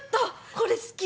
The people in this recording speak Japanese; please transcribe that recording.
これ好き。